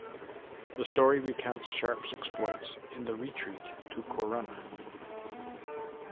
The story recounts Sharpe's exploits in the retreat to Corunna.